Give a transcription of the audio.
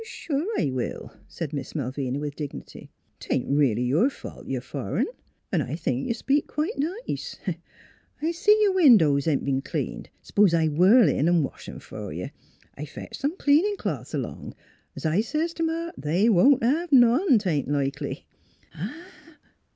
" Sure I will," said Miss Malvina, with dig nity. " 'Tain't reelly your fault you're fur'n. An' I think you speak quite nice. ..; I see your windows ain't b'en cleaned; s'pose I whirl in an' wash 'em f'r you? I fetched some cleanin' cloths along; 's I says t' Ma, they won't hev none, 'tain't likely."